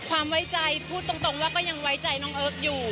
ไว้ใจพูดตรงว่าก็ยังไว้ใจน้องเอิ๊กอยู่